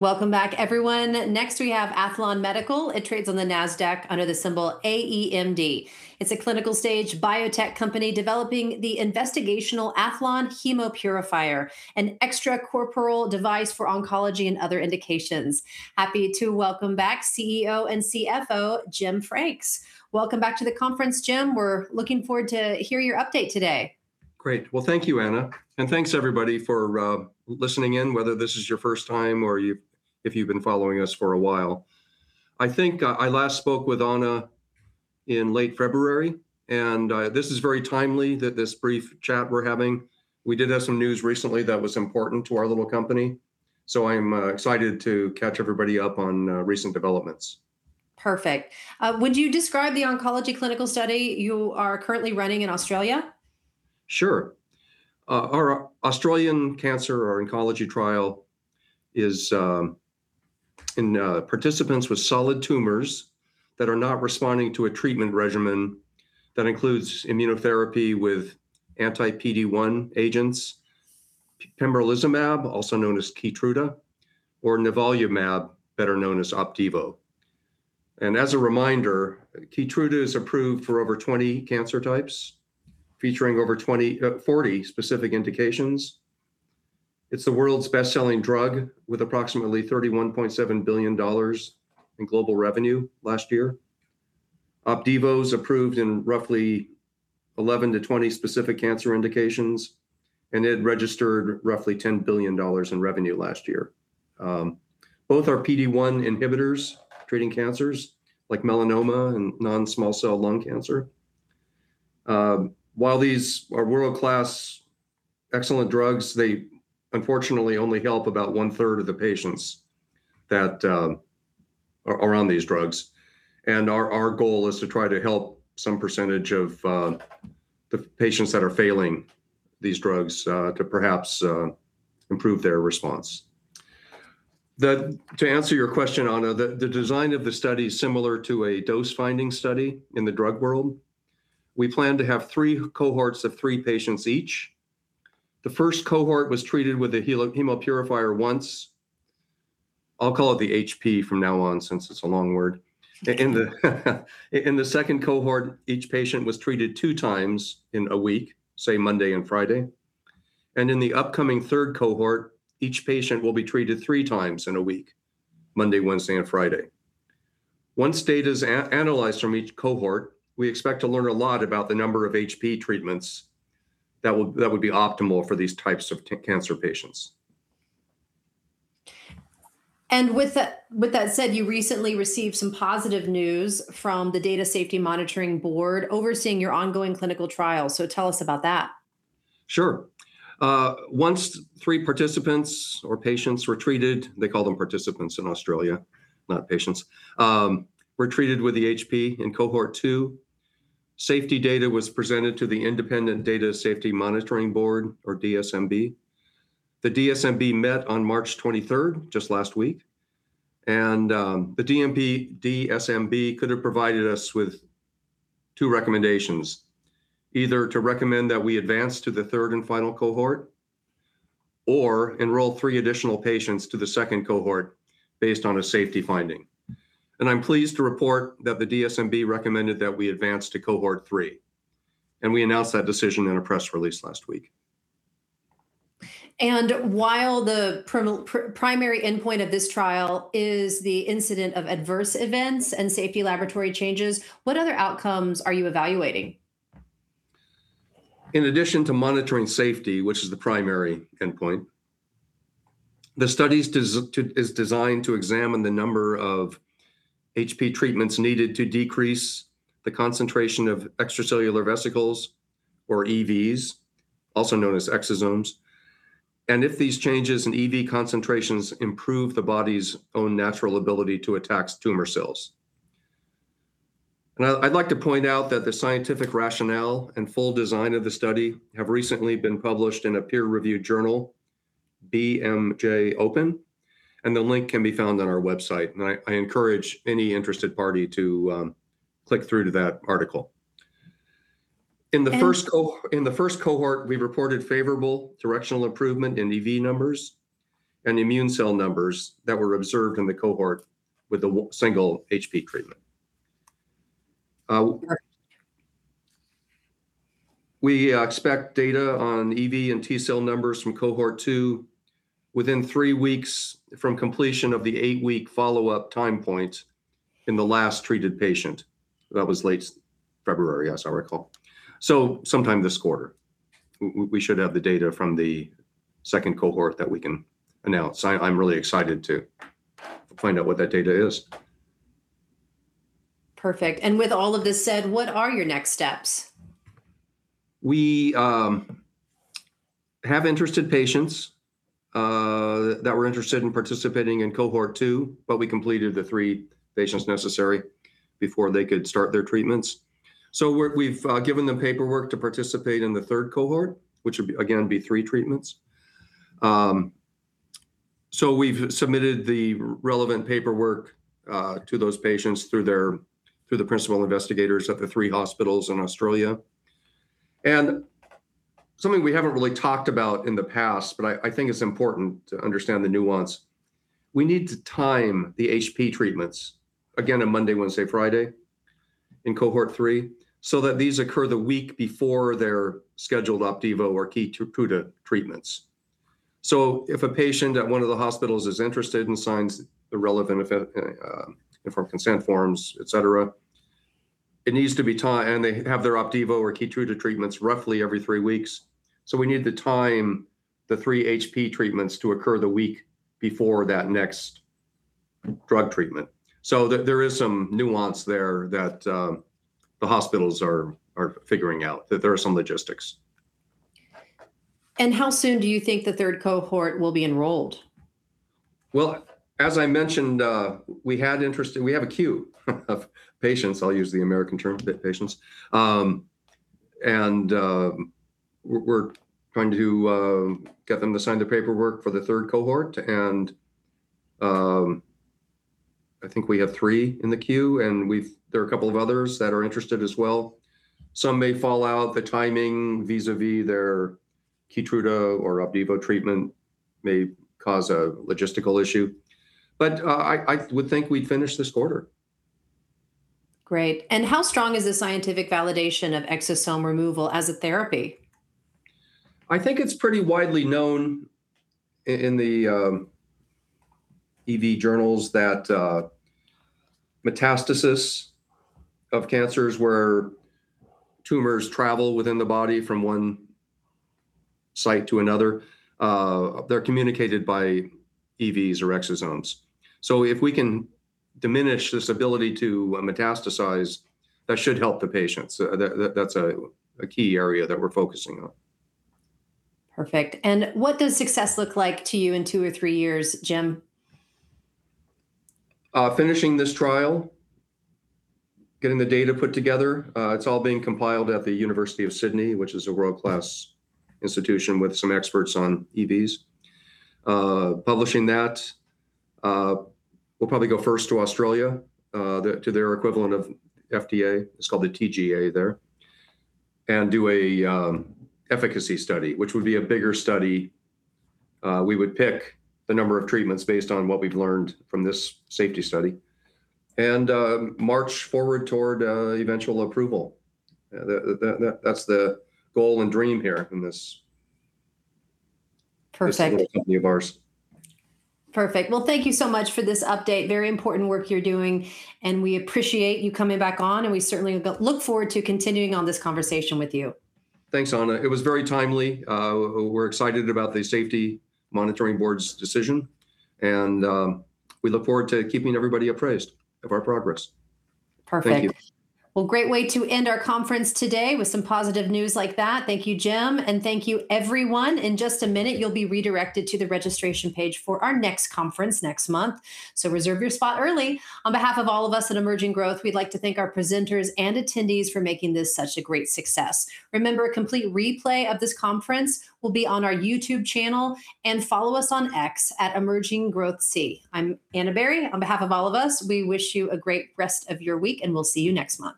Welcome back everyone. Next, we have Aethlon Medical. It trades on the NASDAQ under the symbol AEMD. It's a clinical-stage biotech company developing the investigational Aethlon Hemopurifier, an extracorporeal device for oncology and other indications. Happy to welcome back CEO and CFO, Jim Frakes. Welcome back to the conference, Jim. We're looking forward to hear your update today. Great. Well, thank you, Ana, and thanks everybody for listening in, whether this is your first time or if you've been following us for a while. I think I last spoke with Ana in late February, and this is very timely that, this brief chat we're having. We did have some news recently that was important to our little company, so I'm excited to catch everybody up on recent developments. Perfect. Would you describe the oncology clinical study you are currently running in Australia? Sure. Our Australian cancer or oncology trial is in participants with solid tumors that are not responding to a treatment regimen that includes immunotherapy with anti-PD-1 agents, pembrolizumab, also known as Keytruda, or nivolumab, better known as Opdivo. As a reminder, Keytruda is approved for over 20 cancer types, featuring over 20, 40 specific indications. It's the world's best-selling drug with approximately $31.7 billion in global revenue last year. Opdivo is approved in roughly 11-20 specific cancer indications, and it registered roughly $10 billion in revenue last year. Both are PD-1 inhibitors, treating cancers like melanoma and non-small cell lung cancer. While these are world-class excellent drugs, they, unfortunately, only help about 1/3 of the patients that are on these drugs. Our goal is to try to help some percentage of the patients that are failing these drugs to perhaps improve their response. To answer your question, Ana, the design of the study is similar to a dose-finding study in the drug world. We plan to have three cohorts of three patients each. The first cohort was treated with the Hemopurifier once. I'll call it the HP from now on since it's a long word. In the second cohort, each patient was treated two times in a week, say Monday and Friday. In the upcoming third cohort, each patient will be treated three times in a week, Monday, Wednesday, and Friday. Once data is analyzed from each cohort, we expect to learn a lot about the number of HP treatments that would be optimal for these types of cancer patients. With that said, you recently received some positive news from the Data Safety Monitoring Board overseeing your ongoing clinical trial. Tell us about that. Sure. Once three participants or patients were treated, they call them participants in Australia, not patients, were treated with the HP in cohort two, safety data was presented to the independent Data Safety Monitoring Board or DSMB. The DSMB met on March 23rd, just last week, and the DSMB could have provided us with two recommendations, either to recommend that we advance to the third and final cohort or enroll three additional patients to the second cohort based on a safety finding. I'm pleased to report that the DSMB recommended that we advance to cohort three, and we announced that decision in a press release last week. While the primary endpoint of this trial is the incidence of adverse events and safety laboratory changes, what other outcomes are you evaluating? In addition to monitoring safety, which is the primary endpoint, the study is designed to examine the number of HP treatments needed to decrease the concentration of extracellular vesicles, or EVs, also known as exosomes, and if these changes in EV concentrations improve the body's own natural ability to attack tumor cells. Now, I'd like to point out that the scientific rationale and full design of the study have recently been published in a peer-reviewed journal, BMJ Open, and the link can be found on our website. I encourage any interested party to click through to that article. And. In the first cohort, we reported favorable directional improvement in EV numbers and immune cell numbers that were observed in the cohort with the single HP treatment. We expect data on EV and T cell numbers from cohort two within three weeks from completion of the eight-week follow-up time point in the last treated patient. That was late February, as I recall. Sometime this quarter, we should have the data from the second cohort that we can announce. I'm really excited to find out what that data is. Perfect. With all of this said, what are your next steps? We have interested patients that were interested in participating in cohort two, but we completed the three patients necessary before they could start their treatments. We've given them paperwork to participate in the third cohort, which would, again, be three treatments. We've submitted the relevant paperwork to those patients through the principal investigators at the three hospitals in Australia. Something we haven't really talked about in the past, but I think it's important to understand the nuance. We need to time the HP treatments, again on Monday, Wednesday, Friday in cohort three, so that these occur the week before their scheduled Opdivo or Keytruda treatments. If a patient at one of the hospitals is interested and signs the relevant informed consent forms, et cetera, it needs to be timed, and they have their Opdivo or Keytruda treatments roughly every three weeks, so we need to time the three HP treatments to occur the week before that next drug treatment. There is some nuance there that the hospitals are figuring out. That there are some logistics. How soon do you think the third cohort will be enrolled? Well, as I mentioned, we had interest and we have a queue of patients. I'll use the American term, the patients. We're going to get them to sign the paperwork for the third cohort, and I think we have three in the queue, and we have a couple of others that are interested as well. Some may fall out. The timing, vis-a-vis their Keytruda or Opdivo treatment, may cause a logistical issue. I would think we'd finish this quarter. Great. How strong is the scientific validation of exosome removal as a therapy? I think it's pretty widely known in the EV journals that metastasis of cancers where tumors travel within the body from one site to another, they're communicated by EVs or exosomes. If we can diminish this ability to metastasize, that should help the patients. That's a key area that we're focusing on. Perfect. What does success look like to you in two or three years, Jim? Finishing this trial, getting the data put together. It's all being compiled at the University of Sydney, which is a world-class institution with some experts on EVs. Publishing that will probably go first to Australia, to their equivalent of FDA. It's called the TGA there. Do a efficacy study, which would be a bigger study. We would pick the number of treatments based on what we've learned from this safety study. March forward toward eventual approval. That's the goal and dream here in this. Perfect. This little company of ours. Perfect. Well, thank you so much for this update. Very important work you're doing, and we appreciate you coming back on, and we certainly look forward to continuing on this conversation with you. Thanks, Ana. It was very timely. We're excited about the Safety Monitoring Board's decision. We look forward to keeping everybody appraised of our progress. Perfect. Thank you. Well, great way to end our conference today with some positive news like that. Thank you, Jim, and thank you everyone. In just a minute, you'll be redirected to the registration page for our next conference next month. Reserve your spot early. On behalf of all of us at Emerging Growth, we'd like to thank our presenters and attendees for making this such a great success. Remember, a complete replay of this conference will be on our YouTube channel, and follow us on X at EmergingGrowthC. I'm Ana Berry. On behalf of all of us, we wish you a great rest of your week, and we'll see you next month.